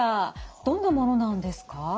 どんなものなんですか？